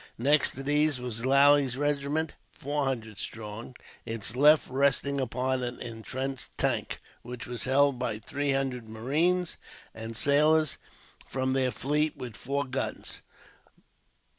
Next to these was Lally's regiment, four hundred strong, its left resting upon an intrenched tank, which was held by three hundred marines and sailors from their fleet, with four guns.